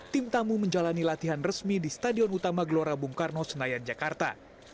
tim tamu menjalani latihan resmi di stadion utama gelora bung karno senayan jakarta